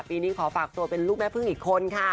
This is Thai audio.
ปีนี้ขอฝากตัวเป็นลูกแม่พึ่งอีกคนค่ะ